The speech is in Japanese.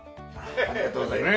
ありがとうございます。